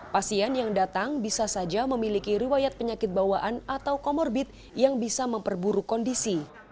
pasien yang datang bisa saja memiliki riwayat penyakit bawaan atau comorbid yang bisa memperburuk kondisi